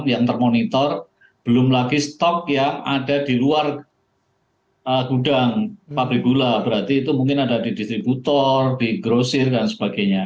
yang termonitor belum lagi stok yang ada di luar gudang pabrik gula berarti itu mungkin ada di distributor di grosir dan sebagainya